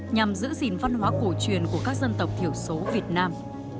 nhằm giữ gìn văn hóa cổ truyền của các dân tộc thiểu số việt nam